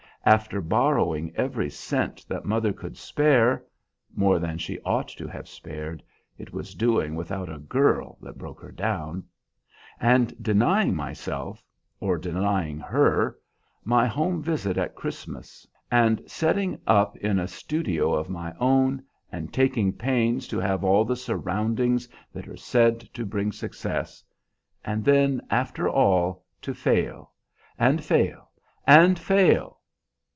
After borrowing every cent that mother could spare (more than she ought to have spared; it was doing without a girl that broke her down) and denying myself, or denying her, my home visit at Christmas; and setting up in a studio of my own, and taking pains to have all the surroundings that are said to bring success, and then, after all, to fail, and fail, and fail!